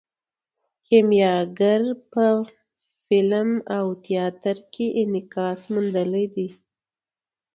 کیمیاګر په فلم او تیاتر کې انعکاس موندلی دی.